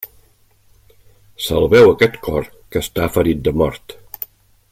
Salveu aquest cor, que està ferit de mort.